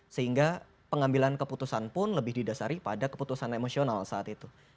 sehingga pengambilan keputusan pun lebih didasari pada keputusan emosional saat itu